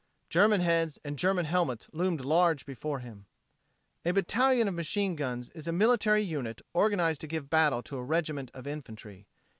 German heads and German helmets loomed large before him. A battalion of machine guns is a military unit organized to give battle to a regiment of infantry.